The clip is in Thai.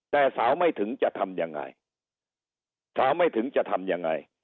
แต่สาวไม่ถึงจะทำยังไงสาวไม่ถึงจะทำยังไง